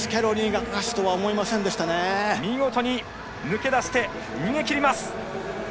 見事に抜け出して逃げ切ります！